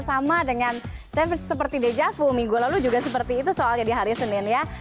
sama dengan seperti dejavu minggu lalu juga seperti itu soalnya di hari senin ya